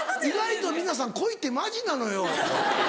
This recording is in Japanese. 意外と皆さん恋ってマジなのよ。